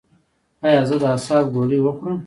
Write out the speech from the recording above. ایا زه د اعصابو ګولۍ وخورم؟